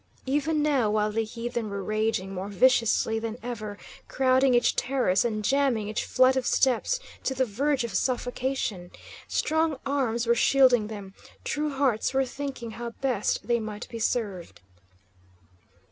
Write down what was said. Even now while the heathen were raging more viciously than ever, crowding each terrace and jamming each flight of steps to the verge of suffocation, strong arms were shielding them, true hearts were thinking how best they might be served.